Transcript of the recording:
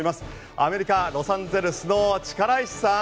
アメリカ・ロサンゼルスの力石さん